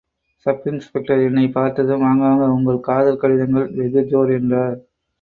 Sub inspector என்னைப் பார்த்ததும், வாங்க வாங்க, உங்கள் காதல் கடிதங்கள் வெகு ஜோர் என்றார்.